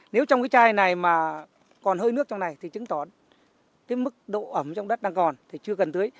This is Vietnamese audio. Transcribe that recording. nếu trong cái chai này mà còn hơi nước trong này thì chứng tỏ cái mức độ ẩm trong đất đang còn thì chưa cần tưới